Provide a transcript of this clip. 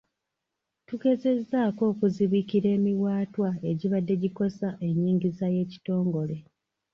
Tugezezzaako okuzibikira emiwaatwa egibadde gikosa ennyingiza y’ekitongole.